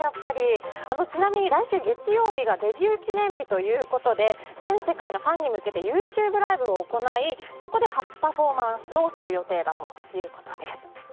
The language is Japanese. ちなみに来週月曜日がデビュー記念日ということで全世界のファンに向けてＹｏｕＴｕｂｅライブを行いそこで初パフォーマンスをする予定だということです。